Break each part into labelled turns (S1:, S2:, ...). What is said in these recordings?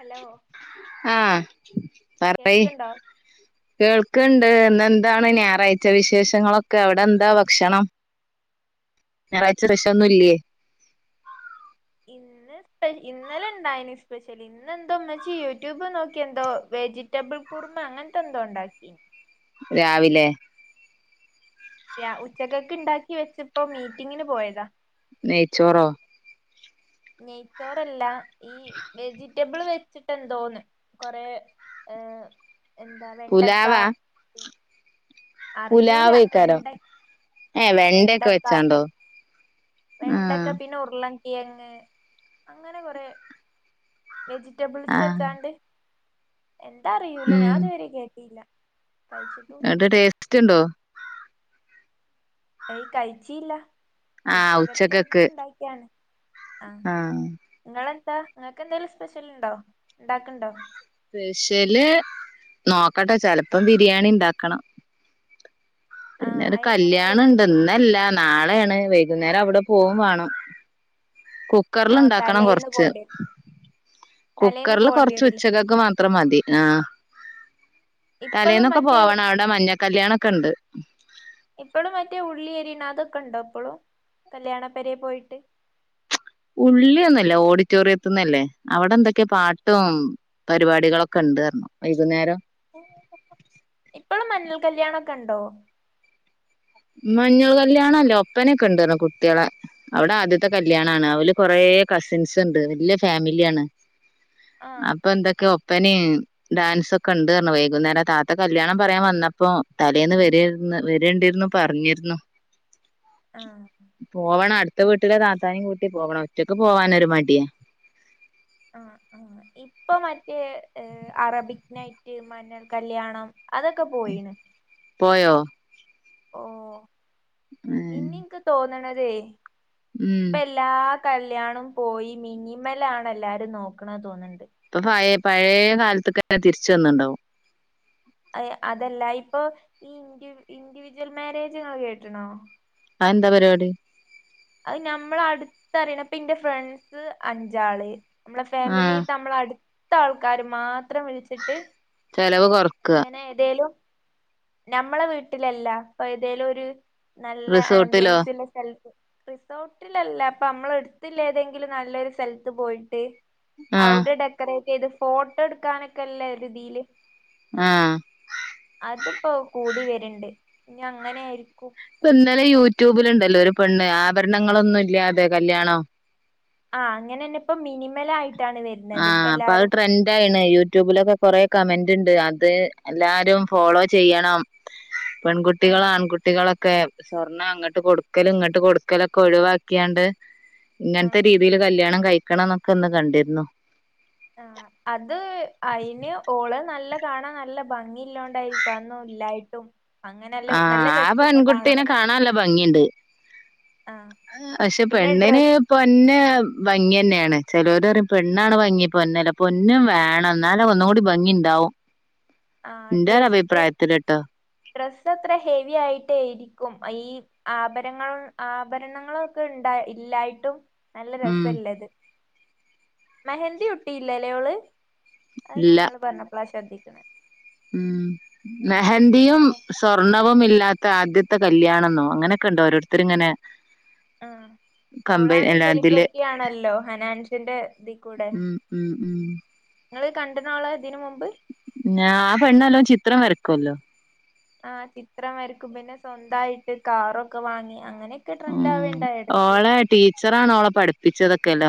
S1: Hello
S2: [inaudible] ആഹ് [unintelligible]
S1: കേൾക്ക്ണ്ടോ
S2: കേൾക്ക്ണ്ട് ന്ന് എന്താണ് ഞായറാഴ്ച വിശേഷങ്ങളൊക്കെ അവടെ ന്താ ഭക്ഷണം.
S1: [unintelligible]
S2: ഞായാഴ്ച [unintelligible] ഇല്ലേ.
S1: ഇ ഇന്നലെ ഉണ്ടായിന് സ്പെഷ്യൽ ഇന്നെന്തോ ഉമ്മച്ചി യൂട്യൂബ് നോക്കി എന്തോ വെജിറ്റബിൾ കുറുമ അങ്ങൻത്തെന്തോ ഉണ്ടാക്കി.
S2: രാവിലെ?
S1: യാ ഉച്ചക്കേക്ക് ണ്ടാക്കി വെച്ചപ്പോ മീറ്റിങ്ങിന് പോയതാ.
S2: നെയ് ചോറോ?
S1: നെയ്യ്ച്ചോറല്ല ഈ വെജി ടബിള് വെച്ചിട്ട് എന്തോന്ന് കൊറെ ഏഹ് എന്താ വെണ്ടക്കാ.
S2: പുലാവാ
S1: അറിയൂല
S2: പുലാവേക്കാരം
S1: വെണ്ട
S2: ഏഹ്
S1: ആഹ്
S2: വെണ്ടയൊക്കെ
S1: വെണ്ടക്ക.
S2: വെച്ചാണ്ടോ ആഹ്
S1: വെണ്ടക്ക പിന്നെ ഉരുള കിയങ്ങ് അങ്ങനെ കൊറെ വെജിറ്റബിൾസ്
S2: ആഹ്
S1: വെച്ചാണ്ട്, എന്താ അറിയൂല ഞാൻത് വരെ കേട്ടീല്ല.
S2: ന്ന്ട്ട് ടേസ്റ്റ് ഉണ്ടോ,?
S1: ഏയ്, കഴിച്ചിയില്ല
S2: ആഹ് ഉച്ചക്കക്ക്
S1: ഉച്ചകത്തക്കെ ഉണ്ടായി ബിരിയാണി ആഹ്. നിങ്ങെളന്താ ങ്ങക്ക് എന്തെലും സ്പേഷ്യല്ണ്ടോ ഉണ്ടാക്ക്ണ്ടോ?
S2: സ്പെഷ്യല് നോക്കട്ടെ ചെലപ്പം ബിരിയാണി ണ്ടാക്കണം.
S1: [inaudible]
S2: പിന്നെരു
S1: അത് എങ്ങനെ
S2: കല്യാണംണ്ട്
S1: റെസിപ്പി
S2: ഇന്നല്ലാ നാളെയാണ് വൈകുന്നേരം അവടെ പോകും വാണം. കുക്കറില്
S1: ആ
S2: ഉണ്ടാക്കണം
S1: തലേന്ന്
S2: കൊറച്ച്
S1: പോണ്ടി തലേന്ന്
S2: കുക്കറില്
S1: പോകേണ്ടി
S2: കൊറച്ച്
S1: വരൂല്ലേ
S2: ഉച്ചക്കക്ക് മാ അത്ര മതി ആഹ്,
S1: ഇപ്പളും
S2: തലേന്നൊക്കെ
S1: മറ്റേ
S2: പോവണം അവടെ മഞ്ഞ കല്യാണംക്കെ ഉണ്ട്.
S1: ഇപ്പോഴും മറ്റേ ഉള്ളി അരിണാതൊക്കെ ഉണ്ടോ ഇപ്പളും, കല്യാണ പേരെ പോയിട്ട്.
S2: ഉള്ളിയൊന്നല്ല ഓഡിറ്റോറിയത്തിന്നല്ലേ, അവടെ ന്തൊക്കേ പാട്ടും. പരിപാടികളൊക്കണ്ട് റഞ്ഞു വൈകുന്നേരം
S1: ഇപ്പളും മഞ്ഞൽ കല്യാണൊക്കെണ്ടോ?
S2: മഞ്ഞൾ കല്യാണല്ലാ, ഒപ്പനൊക്കണ്ട്ർന്നു കുട്ടീളെ. അവടെ ആദ്യത്തെ കല്യാണാണ്, ഓല് കൊറെ കസിൻസ്ണ്ട് വല്ലിയെ ഫെമിലി ആണ്.
S1: ആ
S2: അപ്പൊന്തൊക്കെ ഒപ്പനിം ഡാൻസ് ഒക്കെണ്ട് ർന്നു വൈകുന്നേരം താത്ത കല്യാണം പറയാൻ വന്നപ്പോ തലേന്ന് വരരുന്നു വരേണ്ടിരുന്നു പറഞ്ഞിരുന്നു.
S1: ആഹ്.
S2: പോവണം അടുത്ത വീട്ടിലെ താത്താനിം കൂട്ടി പോവണം ഒറ്റക്ക് പോവാൻ ഒരു മടിയാ.
S1: ആഹ് ആഹ് ഇപ്പൊ മറ്റേ അറബിക് നൈറ്റ് മഞ്ഞൽ കല്യാണം. അതൊക്കെ പോയിണ്.
S2: പോയോ?
S1: ഓഹ്,
S2: ഉം
S1: ഇനി ഇൻക്ക് തോന്നണതേയ്.
S2: ഉം
S1: എല്ലാ കല്യാണോം പോയി മിനിമല ആണ് എല്ലാരും നോക്കണ തോന്ണ്ട്.
S2: ഇപ്പൊ പയേ പയേ കാലത്ക്ക് തിരിച്ച് വന്നിണ്ടാവും.
S1: അതല്ല ഇപ്പൊ ഈ ഇ ഇ ഇൻഡിവിജ്വൽ മാരേജ്ങ്ങൾ കേട്ടണോ
S2: അത് എന്താ പരിപാടി
S1: അത് ഞമ്മൾ അടുത്ത അറിയണ ഇപ്പ എന്റെ ഫ്രണ്ട്സ് അഞ്ചാള് നമ്മളെ ഫാമിലി
S2: ആഹ്
S1: നമ്മളെ അടുത്ത ആൾക്കാര് മാത്രം വിളിച്ച് ന്നിട്ട്
S2: ചെലവ് കൊറക്ക
S1: അങ്ങനെ എന്തേലും നമ്മളെ വീട്ടിലല്ല ഇപ്പൊ ഏതേലും ഒരു നല്ല
S2: റിസോർട്ടിലോ
S1: ആംബിയൻസിലെ സ്ഥലത്ത് റിസോർട്ടിലല്ല അപ്പൊ നമ്മൾ അടുത്തില്ലേതെങ്കിലും നല്ലൊരു സ്ഥലത്ത് പോയിട്ട്
S2: ആഹ്
S1: അവിടെ ഡെക്കറേറ്റ് ചെയ്ത് ഫോട്ടോ എടുക്കാനൊക്കെല്ലേ രീതിയില്
S2: ആഹ്
S1: അതിപ്പോ കൂടി വരുണ്ട് ഇനി അങ്ങനെ ആയിരിക്കും
S2: ഇന്നലെ യൂട്യൂബില്ണ്ടല്ലോ ഒരു പെണ്ണ് ആഭരണങ്ങളൊന്നും ഇല്ല്യാതെ കല്യാണം
S1: ആ അങ്ങനെന്നെ ഇപ്പ മിനിമലായിട്ടാണ് വരുന്നത് ഇപ്പ
S2: ആഹ് അപ്പൊ അത്
S1: എല്ലാരും
S2: ട്രെൻഡ ആണ് യൂ ട്യൂബിലൊക്കെ കൊറെ കമന്റ് ഇണ്ട് അത് എല്ലാരും ഫോളോ ചെയ്യണം പെൺകുട്ടികള്
S1: ആഹ്
S2: ആൺകുട്ടികളൊ ഒക്കെ സ്വർണം അങ്ങോട്ട് കൊടുക്കല് ഇങ്ങോട്ട് കൊടുക്കലൊക്കെ ഒഴിവാക്കിയാണ്ട്
S1: ആഹ്
S2: ഇങ്ങനത്തെ രീതി രീതിയില് കല്യാണം കഴിക്കണം എന്നൊക്കെ ഒന്ന് കണ്ടിരുന്നു
S1: ആ അത് അയിന് ഓള് നല്ല കാണാൻ നല്ല ഭംഗി ഇല്ലോണ്ടായിരിക്കും ഒന്നും ഇല്ലായിട്ടും അങ്ങനെല്ല
S2: ആഹ്
S1: നല്ല
S2: ആ
S1: രസല്ലേ
S2: പെൺകുട്ടീനെ
S1: കാണാന്
S2: കാണാനല്ല ഭംഗിയ്ണ്ട്
S1: ആഹ്
S2: ക്ഷെ
S1: പിന്നെ
S2: പെണ്ണിന്
S1: ഡ്രസ്
S2: പൊന്ന് ഭംഗി തന്നെയാണ് ചിലോര് പറയും പെണ്ണാണ് ഭംഗി പൊന്ന അല്ല പൊന്നും വേണം എന്നാല് ഒന്ന് കൂടി ഭംഗി ഇണ്ടാവും
S1: ആഹ്
S2: എന്റെ ഒര്
S1: ഡ്രസ്സ്
S2: അഭിപ്രായത്തില്ട്ടോ
S1: ഡ്രസ്സ് അത്ര ഹെവി ആയിട്ടേ ആയിരിക്കും ഈ ആഭരങ്ങൾ ആഭരണങ്ങൾ ഒക്കെ ഉണ്ടാ ഇല്ലായിട്ടും നല്ല
S2: ഉം.
S1: രസല്ലത് മെഹന്തി ഇട്ടില്ലേയോള് അത്
S2: ഇല്ല.
S1: ഞങ്ങള് പറഞ്ഞപ്പളാ ശ്രദ്ധിക്കണേ
S2: ഉം മെഹന്തിയും സ്വർണ വും ഇല്ലാത്ത ആദ്യത്തെ കല്യാണംന്നോ അങ്ങനെയൊക്കെ ഇണ്ട് ഓരോരുത്തര് ഇങ്ങനെ
S1: ആഹ് ഓളാണേ
S2: ഇതില്
S1: സെലിബ്രിറ്റി ആണല്ലോ ഹനാൻഷ്യന്റെ ഇതി കൂടെ
S2: ഉം ഉം ഉം
S1: നിങ്ങള് കണ്ടനാള ഇതിന് മുമ്പ്
S2: ഞാ ആ പെണ്ണല്ലോ ചിത്രം വരക്കുവല്ലോ
S1: ആഹ് ചിത്രം വരക്കും പിന്നെ സ്വന്തായിട്ട് കാറൊക്കെ വാങ്ങി അങ്ങനെയൊക്കെ ട്രെൻഡ് ആവേണ്ടായി എടക്ക്
S2: ടീച്ചറാണോ ഓളെ പഠിപ്പിച്ചതൊക്കെല്ലോ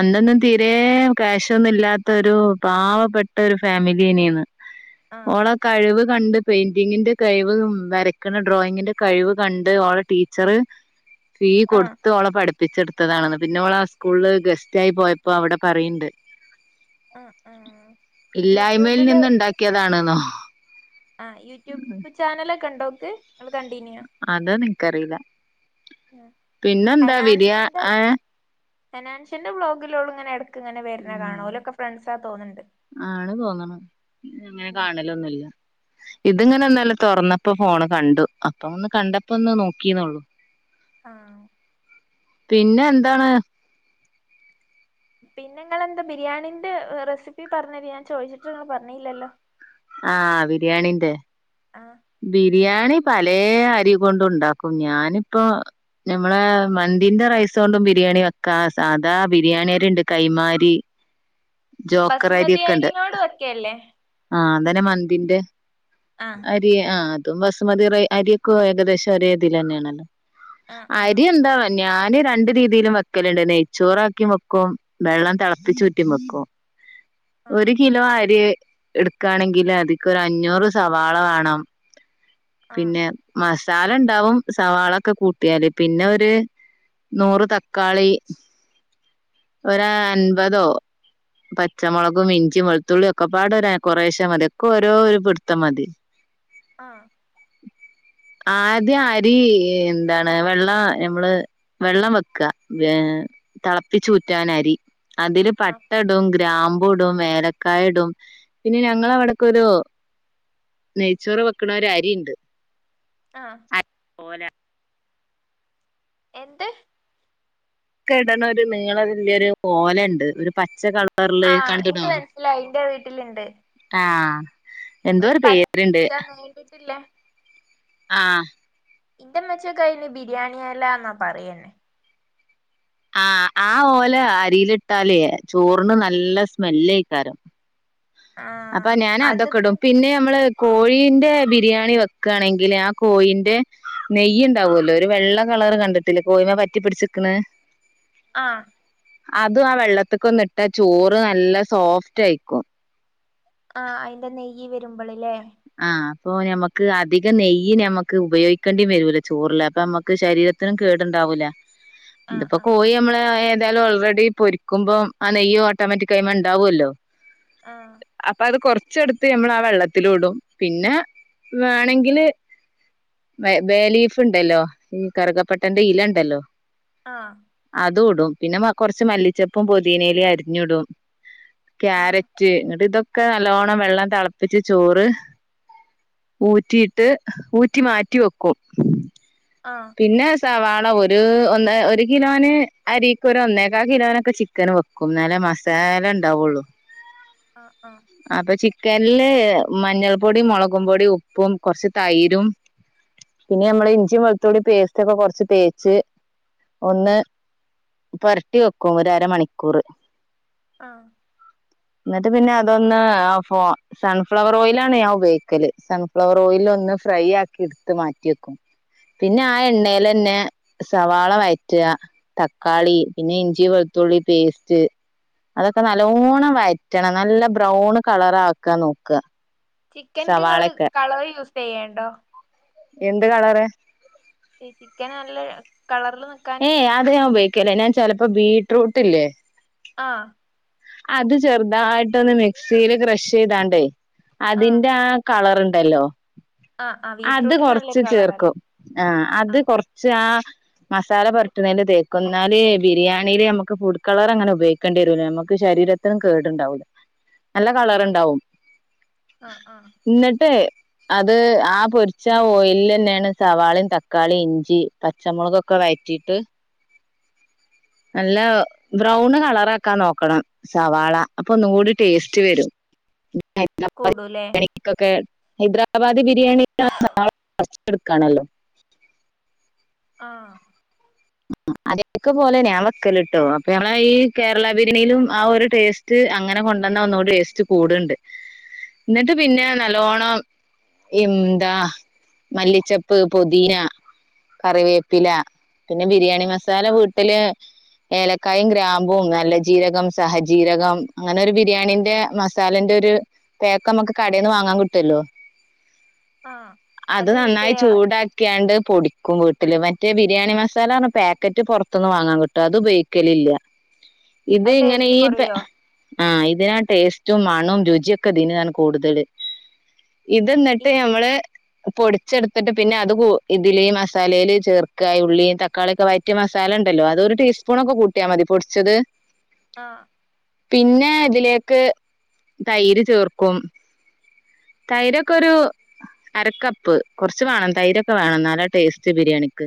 S2: അന്നൊന്നും തീരെ ക്യാഷ് ഒന്നും ഇല്ലാത്ത ഒരു പാവപ്പെട്ട ഒരു ഫാമിലിയന്നെയന്ന്
S1: ആഹ്
S2: ഓളെ കഴിവ് കണ്ട് പെയിന്റിങ്ങിന്റെ കഴിവ് വരയ്ക്കണ ഡ്രോയിങ്ങിന്റെ കഴിവ് കണ്ട് ഓള ടീ ച്ചറ് ഫീ
S1: ആഹ്
S2: കൊടുത്ത് ഓളെ പഠിപ്പി പ്പിച്ചെടുത്തതാണെന്ന് പിന്നെ ഓള് ആ സ്കൂളിൽ ഗസ്റ്റ് ആയി പോയപ്പോ അവിടെ പറയ്ണ്ട്
S1: ആഹ് ആഹ്
S2: ഇല്ലായ്മയിൽ
S1: യൂട്യൂബില്
S2: നിന്ന് ഇണ്ടാക്കിയതാണെന്നോ
S1: ആ യൂട്യൂബ് ചാനല് ഒക്കെ ഉണ്ടോ ഓക്ക് നിങ്ങള് കണ്ടിയിനു
S2: അതനിക്കറിയില്ല പിന്നെന്താ ബിരിയാ
S1: ഹനാൻഷ്യന്റെ
S2: ഏ
S1: ഹനാൻഷ്യന്റെ വ്ലോഗിൽ ഓള് ഇങ്ങനെടക്ക് ഇങ്ങനെ വരുന്ന കാണ ഓലൊക്കെ ഫ്രണ്ട്സാ തോന്നുണ്ട്
S2: ആണ് തോന്നണ ഇങ്ങനെ കാണലൊന്നുല്ല ഇത് ഇങ്ങനെ ന്നലെ തുറന്നപ്പോ ഫോണ് കണ്ടു അപ്പ ഒന്ന് കണ്ടപ്പോ ഒന്ന് നോക്കീന്നള്ളു
S1: ആഹ്
S2: പിന്നെ എന്താണ്?
S1: പിന്നെ ഇങ്ങളെന്താ ബിരിയാണീന്റെ റെസിപ്പി പറഞ്ഞര്, ഞാൻ ചോദിച്ചിട്ട് ഇങ്ങൾ പറഞ്ഞേല്ലല്ലോ.
S2: ആഹ് ബിരിയാണിന്റെ.
S1: ആഹ്
S2: ബിരിയാണി പലേ അരി കൊണ്ടും ണ്ടാക്കും, ഞാനിപ്പോ ഞമ്മളാ മന്തിന്റെ റൈസ് കൊണ്ടും ബിരിയാണി വെക്കാ, സാധാ ബിരിയാണിരിണ്ട് കൈമാരി ജോക്കർ
S1: ബസുമതിയരി ങ്കോണ്ട് വക്കെല്ലേ.
S2: ആഹ് അന്നേരം മന്തിന്റെ ആഹ് അതും ബസ്മതി അരിയൊക്കെ ഏകദേശം ഒരേതിലന്നേണല്ലോ.
S1: ആഹ് ആഹ്
S2: അരി എന്താ വേ ഞാന് രണ്ട് രീതിയിലും വെക്കലുണ്ട്, നെയ്ച്ചോറാക്കീം വെക്കും, വെള്ളം തിളപ്പിച്ചൂറ്റീം വെക്കും. ഒരു
S1: ആഹ്
S2: കിലോ അരി എടുക്കാണെങ്കിൽ അതിക്കൊരു അഞ്ഞൂറ് സവാള വേണം.
S1: ആഹ്
S2: പിന്നെ മസാല ഉണ്ടാവും സവാളൊക്കെ കൂട്ടിയാല്, പിന്നെ ഒരു നൂറ് തക്കാളി, ഒരാൻപതോ പച്ചമുളകും ഇഞ്ചി വെളുത്തുള്ളിയൊക്കെ പാടെ ഒരെ കൊറേശെ മതി, ഒക്കെ ഓരോ ഒരു പിടുത്തം മതി.
S1: ആഹ്
S2: ആദ്യ അരി എന്താണ് വെള്ള ഞമ്മള് വെള്ളം വെക്കാ ഏഹ് തിളപ്പിച്ചൂറ്റാൻ അരി അതില്
S1: ആഹ്
S2: പട്ട ടും ഗ്രാമ്പൂടും ഏലക്കായിടും പിന്നെ ഞങ്ങള അവിടക്കൊരു ചോറ് വെക്കണ ഒരു അരിണ്ട്.
S1: ആഹ്
S2: അത് പോലാ
S1: എന്ത്?
S2: ക്കെ ഇടണ ഒരു നീളവലിയൊരു ഓല ഇണ്ട് ഒരു പച്ചക്കള
S1: ആഹ് ഇനിക്ക് മനസ്സിലായി, ഇന്റെ വീട്ടിലിണ്ട്.
S2: ആഹ്, എന്തോരു പേരുണ്ട്.
S1: നീണ്ട്ട്ടില്ലേ
S2: ആഹ്
S1: ഇന്റെമ്മച്ചി ഒക്കയിന് ബിരിയാണി എലാന്നാ പറയന്നെ
S2: ആഹ് ആ ഓല അരിയിലിട്ടാലേ ചോറിന് നല്ല സ്മെല്ലയ്ക്കാരം. അപ്പൊ
S1: ആഹ്
S2: ഞാനതൊക്കെ
S1: അതിപ്പോ
S2: ഇടും, പിന്നെ നമ്മള് കോഴീന്റെ ബിരിയാണി വെക്കാണെങ്കിൽ ആ കോഴീന്റെ നെയ്യ്ണ്ടാവോല്ലോ, ഒരു വെള്ള കളർ കണ്ടിട്ട് ട്ടില്ലേ കോയിമ്മെ പറ്റി പിടിച്ചുക്കണ്
S1: ആഹ്
S2: അതും ആ വെള്ളത്തിക്കൊന്നിട്ട ചോറ് നല്ല സോഫ്റ്റ് ആയിക്കും.
S1: ആഹ് അയിന്റെ നെയ്യ് വരുമ്പള് ല്ലേ
S2: ആഹ് അപ്പൊ ഞമ്മക്ക് അധികം നെയ്യ് ഞമ്മക്ക് ഉപയോഗിക്കണ്ടീം വരൂല ചോറില് അപ്പൊ ഞമ്മക്ക് ശരീര ത്തിനും കേടുണ്ടാവൂല്ല
S1: ആഹ്
S2: ഇതിപ്പോ
S1: ആഹ് ആഹ്
S2: കോയിമ്മള എ ന്തായാലും ഓൾറെഡി പൊരിക്കുമ്പം ആ നെയ്യും ഓട്ടോമാറ്റിക് അയിമ്മേ ഉണ്ടാവോല്ലോ.
S1: ആഹ്
S2: അപ്പൊ അത് കൊറച്ചെടുത്ത് നമ്മൾ ആ വെള്ളത്തിലിടും, പിന്നെ വേണെങ്കില് ബെ ബേലീഫ് ഉണ്ടല്ലോ, ഈ കറുകപ്പട്ടന്റെ ഇല ഉണ്ടല്ലോ!
S1: ആഹ്
S2: അതും ഇടും, പിന്നെ കൊറച്ച് മല്ലിച്ചപ്പും പുതിന ഇലയും അരിഞ്ഞിടും, ക്യാരറ്റ് റ്റ് ഇങ്ങട്ട് ഇതൊക്കെ നല്ലോണം വെള്ളം തിളപ്പിച്ച് ചോറ് ഊറ്റിയിട്ട്, ഊറ്റി മാറ്റി വെക്കും.
S1: ആഹ്
S2: പിന്നെ സവാള ഒരു ഒന്ന് ഒരു കിലോന് അരിക്ക് ഒരു ഒന്നേക്കാൽ കിലോനൊക്കെ ചി ക്കൻ വെക്കുംന്നാലേ മസാല ഉണ്ടാവുള്ളൂ.
S1: ആഹ് ആഹ്
S2: അപ്പൊ ചിക്കൻല് മഞ്ഞൾ പൊടീം മൊളകും പൊടീം ഉപ്പും കൊർച്ച് തൈരും പിന്നെ ഞമ്മളെ ഇഞ്ചിം വെളുത്തുള്ളി പേസ്റ്റൊക്കെ കൊർച്ച് തേച്ച് ഒന്ന് പൊര്ട്ടി വെക്കും ഒരരമണിക്കൂർ.
S1: ആഹ്
S2: ന്നട്ട് പിന്നെ അതൊന്ന് ആ ഫോ സൺഫ്ലവർ ഓയിലാണ് ഞാൻ ഉപയോഗിക്കല് സൺഫ്ലവർ ഓയില് ഒന്ന് ഫ്രൈയാക്കി ട്ത്ത് മാറ്റി വെക്കും. പിന്നെ ആ എണ്ണേ ലെന്നെ സവാള വയറ്റ തക്കാളി പിന്നെ ഇഞ്ചി, വെളുത്തുള്ളി പേസ്റ്റ് അതൊക്കെ നല്ലോണ്ണം വഴറ്റണം നല്ല ബ്രൗൺ കളറാക്കാ നോക്ക.
S1: ചിക്കൻക്ക് ങ്ങള് കളറ് യൂസെയ്യേണ്ടോ?
S2: എന്ത് കളറ്?
S1: ഈ ചിക്കന് നല്ല കളറ്ല് നി
S2: ഏയ് അത് ഞാൻ ഉപയോഗിക്കേല്ല ഞാ ചെലപ്പോ ബീറ്റ്റൂട്ട്ല്ലേ
S1: ആഹ്
S2: അത് ചെർതായിട്ടൊന്ന് മിക്സില് ക്രഷെയ്താണ്ടേ
S1: ആഹ്
S2: അതിന്റെ ആ കളറ്ണ്ടല്ലോ
S1: ആഹ് ആഹ്
S2: അത്
S1: ബീറ്റ്റൂട്ടിന്
S2: കൊർച്ച്
S1: നല്ലൊരു കളറല്ലേ
S2: ചേർക്കും. ആഹ് അത് കൊറച്ച് ആ മസാല പൊരട്ട്ണേല് തേക്കും ന്നാല് ബിരിയാണിയില് അമ്മക്ക് ഫുഡ് കളറങ്ങനെ ഉപയോഗിക്കേണ്ട്യെരൂല്ല അമ്മ ക്ക് ശരീരത്തിനും കേട്ണ്ടാവൂല്ല നല്ല
S1: ആഹ്
S2: കളറ്ണ്ടാവും
S1: ആഹ് ആഹ്
S2: ന്നട്ടേ അത് ആ പൊര്ച്ച ഓയൽലെന്നെണ് സവാളിം തക്കാളി, ഇഞ്ചി പച്ചമൊളകൊക്കെ വയറ്റിട്ട്
S1: [inaudible]
S2: നല്ല ബ്രൗണ് കളറാക്കാൻ നോക്കണം. സവാള അപ്പൊന്നും കൂടി ടേസ്റ്റ് വെരും
S1: കൂടുല്ലേ
S2: [unintelligible] ക്കൊക്കെ ഹൈദരാബാദ് ബിരിയാണി [unintelligible] കൊറച്ച് എട്ക്കാനൊള്ളു
S1: ആഹ്
S2: [unintelligible] അതൊക്കെ പോലെ ഞാൻ വെക്കല്ട്ടോ അപ്പൊ ഞമ്മളെ ഈ കേരള ബിരി [unintelligible] നും ആ ഒരു ടേസ് റ്റ് അങ്ങനെ കൊണ്ടോന്ന ഒന്നുടെ ടെസ്റ്റ് കൂട്ണ്ട് ന്നട്ട് പിന്നെ നല്ലോണ്ണം എംന്താ മല്ലി ചെപ്പ്, പൊദീന, കറിവേപ്പില പിന്നെ ബിരിയാണി മസാല
S1: ആഹ്
S2: വീട്ട്ല് ഏലക്കായും ഗ്രാമ്പും നല്ല ജീരകം, സഹജീരകം ഇങ്ങനെ ഒരു ബിരിയാണിന്റെ മസ് സാലൻ്റൊരു പേക്ക് അമ്മക്ക് കടേന്ന് വാങ്ങാൻ കിട്ടൊല്ലോ
S1: [inaudible]
S2: അത്
S1: യൂസ്
S2: നന്നായി
S1: ചെയ്യാ
S2: ചൂടാക്ക്യാണ്ട് പൊടിക്കും വീട്ടില് മറ്റേ ബിരിയാണി മസ് സാല ർഞ്ഞ് പാക്കറ്റ് പോർത്ത്ന്ന് വാങ്ങാൻ കിട്ടും അത് ഉപയോഗിക്കലില്ല. ഇത്
S1: അത്
S2: ഇങ്ങനെ
S1: ടേസ്റ്റ്
S2: ഈ പേ
S1: കുറയോ
S2: ആഹ് ഇതിനാ ടേസ്റ്റും മണും രുച്യൊ. ക്കെ ദിന് കൂടുതല് ഇത്
S1: ഈ
S2: ന്നട്ട് ഞമ്മള് പൊടിച്ചെട്ത്തിട്ട് പിന്നെ അത് ഇതിലേ ഈ മസാലേല് ചേർക്ക ഇ ഉള്ളിം തക്കാ ക്കാള്യൊക്കെ വഴയറ്റ്യ മസാല ണ്ടല്ലോ അതൊരു ടീസ്പൂണൊക്കെ കൂട്ട്യാ മതി പൊട്ച്ചത്
S1: ആഹ്
S2: പിന്നെ ഇതിലേക്ക് തൈര് ചേർക്കും. തൈരൊക്കൊരു അരക്കപ്പ് കൊർച്ച് മാണം തൈരൊക്കെ വാണം ന്നല്ലേ ടേസ്റ്റ് ബിരിയാണിക്ക്.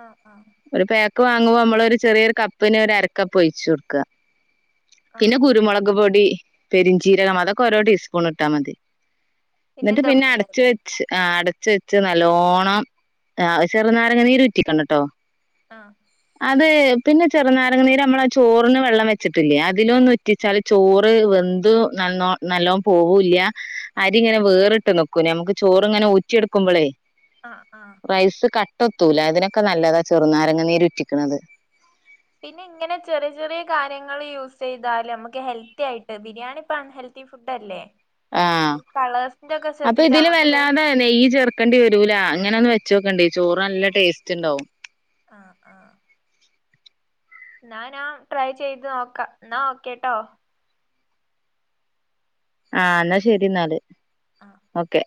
S1: ആഹ് ആഹ്
S2: ഒരു പാക്ക് വാങ്ങുമ്പോ നമ്മളൊരു ചെറിയൊര് കപ്പിന് ഒര് അരക്കപ്പ് ഒയിച്ചൊട്ക്ക. പിന്നെ
S1: ആഹ്
S2: കുരുമുളക് പൊടി, പെരിഞ്ചീരകം അതൊക്കെ ഓരോ ടീസ്പൂണ് ട്ടാ മതി. ന്നട്ട് പിന്നെ അടച്ച് വെ ആ അടച്ച് വെച്ച് നല്ലോണം ആ ചെറ്നാരങ്ങ നീര് ഉറ്റിക്കണ ട്ടോ
S1: ആഹാ
S2: അത് പിന്നെ ചെറുനാരങ്ങ നീര് നമ്മെളാ ചോറിന് വെള്ളം വെച്ചിട്ടില്ലേ അതിലൊന്നു ഉ റ്റിച്ചാല് ചോറ് വെന്ത് നല്ലോ നല്ലോം പോവൂല്ല്യാ അരി ഇങ്ങനെ വേറ്ട്ട് നിക്കും നമുക്ക് ചോറ്ങ്ങെനെ ഊറ്റിയെടുക്കുമ്പളേ
S1: ആഹ് ആഹ്
S2: റൈസ് കട്ടത്തൂല അതിനൊക്കെ നല്ലതാ ചെറ്നാരങ്ങ നീര് ഉറ്റിക്ക്ണത്
S1: പിന്നെയിങ്ങെനെ ചെറിയ ചെറിയ കാര്യങ്ങള് യൂസെയ്താല് നമ്മക്ക് ഹെൽത്തിയായിട്ട് ബിരിയാണിപ്പം അൺഹെൽ ൽത്തി ഫുഡല്ലേ
S2: ആഹ്
S1: ഈ കളേഴ്സിന്റൊക്കെ
S2: അപ്പൊ
S1: ശ്രദ്ധിച്ചാ
S2: ഇതില്
S1: നമുക്കത്
S2: വല്ലാതെ നെയ്യ് ചേർക്കണ്ടി വെരൂല ഇങ്ങെനൊന്ന് വെച്ചോക്കെണ്ടി ചോറ് നല്ല ടേസ്റ്റ്ണ്ടാവും
S1: ആഹ് ആഹ് ന്നാ ഞാ ട്രൈ ചെയ്ത് നോക്കാ ഇന്നാ ഓക്കേട്ടോ
S2: ആഹ് ന്നാ ശെരിന്നാല്
S1: ആഹ്
S2: ഓക്കെ